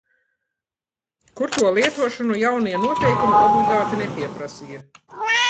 Kur to lietošanu jaunie noteikumi obligāti nepieprasīja.